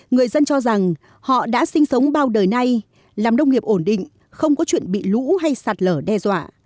người dân cho rằng họ đã sinh sống bao đời nay làm nông nghiệp ổn định không có chuyện bị lũ hay sạt lở đe dọa